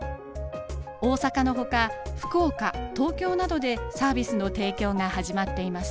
大阪のほか福岡東京などでサービスの提供が始まっています。